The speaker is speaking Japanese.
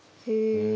へえ。